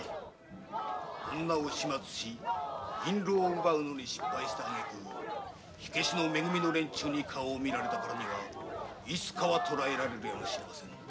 女を始末しインロウを奪うのに失敗したあげく火消しの「め組」の連中に顔を見られたからにはいつかは捕えられるやもしれません。